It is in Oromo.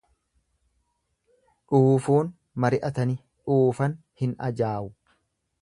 Dhuufuun mari'atani dhuufan hin ajaawu.